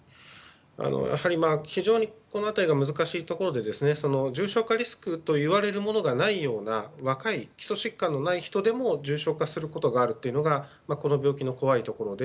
やはり非常にこの辺りが難しいところで重症化リスクと言われるものがないような若い基礎疾患のない人でも重症化することがあるというのがこの病気の怖いところで。